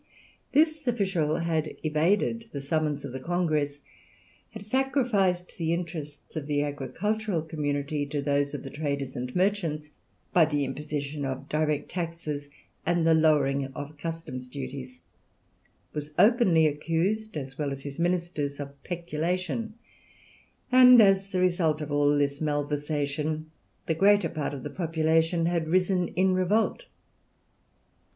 This official had evaded the summons of the Congress, had sacrificed the interests of the agricultural community to those of the traders and merchants, by the imposition of direct taxes and the lowering of customs duties; was openly accused, as well as his ministers, of peculation; and as the result of all this malversation the greater part of the population had risen in revolt.